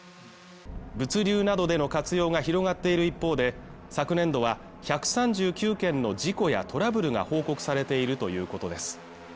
物流などでの活用が広がっている一方で昨年度は１３９件の事故やトラブルが報告されているということです